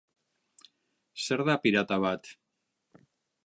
Zer da pirata bat?